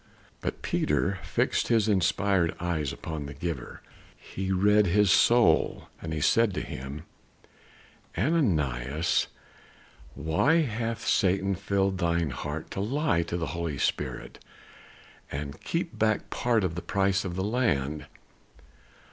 But Peter fixed his inspired eyes upon the giver. He read his soul. And he said to him: "Ananias, why hath Satan filled thine heart to lie to the Holy Spirit, and keep back part of the price of the land?